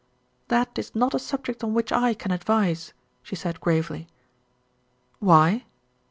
"That is not a subject on which I can advise," she said gravely. "Why?"